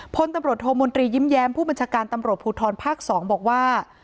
พลตำรวจโทมนตรียิ้มแย้มผู้บัญชาการตำรวจภูทรภาค๒บอกว่า